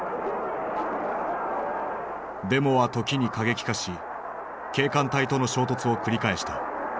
デモは時に過激化し警官隊との衝突を繰り返した。